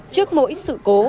trước mỗi sự cố